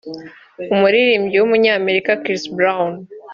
umuririmbyi w’umunyamerika Chris Brown